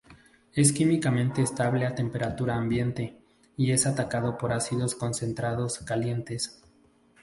Es químicamente estable a temperatura ambiente y es atacado por ácidos concentrados calientes.